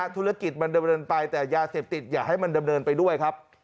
ธุรกิจมันดำเนินไปแต่ยาเสพติดอย่าให้มันดำเนินไปด้วยครับ